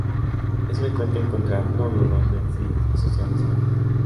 Es frecuente encontrar nódulos de sílex asociados a la creta.